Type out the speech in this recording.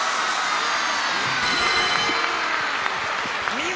見事！